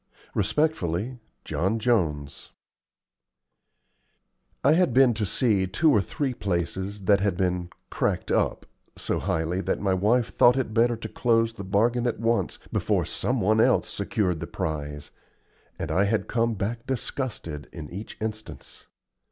Resp'y John Jones I had been to see two or three places that had been "cracked up" so highly that my wife thought it better to close the bargain at once before some one else secured the prize and I had come back disgusted in each instance.